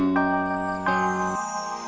neng mah kayak gini